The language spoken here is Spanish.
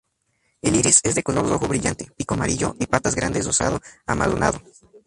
El iris es de color rojo brillante, pico amarillo y patas grandes rosado-amarronado.